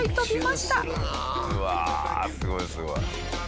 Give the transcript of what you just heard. うわすごいすごい。